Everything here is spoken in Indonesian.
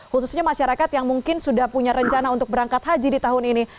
khususnya masyarakat yang mungkin sudah punya rencana untuk berangkat haji di tahun ini